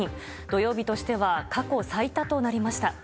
土曜日としては過去最多となりました。